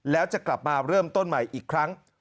แล้วจะกลับมาเริ่มต้นใหม่อีกครั้ง